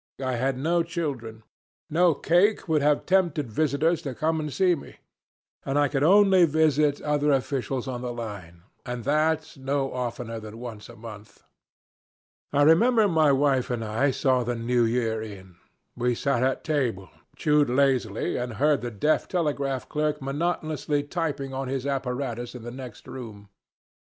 I had no children, no cake would have tempted visitors to come and see me, and I could only visit other officials on the line, and that no oftener than once a month. I remember my wife and I saw the New Year in. We sat at table, chewed lazily, and heard the deaf telegraph clerk monotonously tapping on his apparatus in the next room.